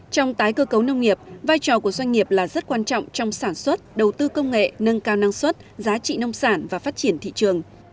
trong tái cơ cấu nông nghiệp vai trò của doanh nghiệp là rất quan trọng trong sản xuất đầu tư công nghệ nâng cao năng suất giá trị nông sản và phát triển thị trường